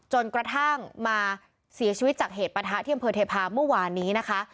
จนกระทั่งมาเสียชีวิตจากเหตุประทะที่อำเภอเทพาเมื่อวานนี้นะคะ